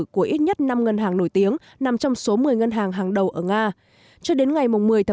của ít nhất năm ngân hàng nổi tiếng nằm trong số một mươi ngân hàng hàng đầu ở nga cho đến ngày một mươi một mươi một